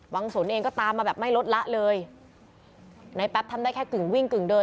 สนเองก็ตามมาแบบไม่ลดละเลยในแป๊บทำได้แค่กึ่งวิ่งกึ่งเดิน